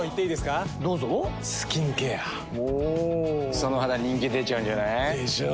その肌人気出ちゃうんじゃない？でしょう。